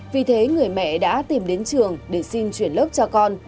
vì thế người mẹ đã tìm đến trường để xin chuyển lớp cho con